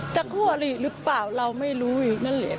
จะโคตรอีกหรือเปล่าเราไม่รู้อีก